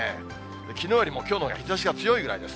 きのうよりもきょうのほうが日ざしが強いぐらいです。